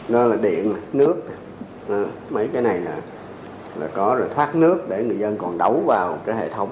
nó là điện nước mấy cái này là có rồi thoát nước để người dân còn đấu vào cái hệ thống